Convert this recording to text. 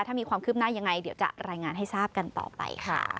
ถ้ามีความคืบหน้ายังไงเดี๋ยวจะรายงานให้ทราบกันต่อไปค่ะ